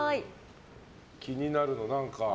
気になるの、何か。